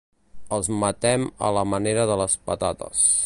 Els matem a la manera de les patates.